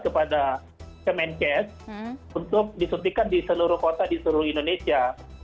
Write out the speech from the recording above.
kemencez untuk disuntikan di seluruh kota di seluruh indonesia